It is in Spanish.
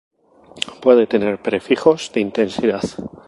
Puede tener prefijos de intensidad.